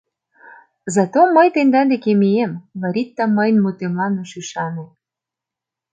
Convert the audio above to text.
— Зато мый тендан деке мием, — Лоритта мыйын мутемлан ыш ӱшане.